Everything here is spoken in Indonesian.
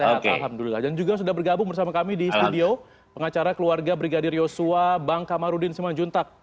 alhamdulillah dan juga sudah bergabung bersama kami di studio pengacara keluarga brigadir yosua bang kamarudin simanjuntak